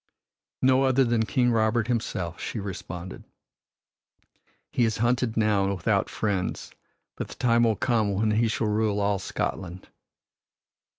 "No other than King Robert himself," she responded. "He is hunted now and without friends, but the time will come when he shall rule all Scotland."